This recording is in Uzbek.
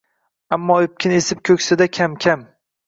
Ammo epkin esib ko’ksida kam-kam